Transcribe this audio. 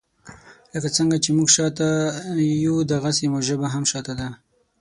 لکه څنګه چې موږ شاته یو داغسي مو ژبه هم شاته ده.